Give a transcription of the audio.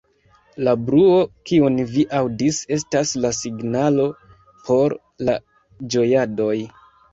La bruo, kiun vi aŭdis, estas la signalo por la ĝojadoj.